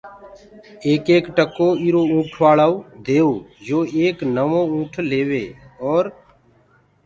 ايڪ ايڪ ٽڪو ايٚرو اُنٚٺوآݪائو ديئو يو ايڪ نوو اُنٚٺ ليوي اور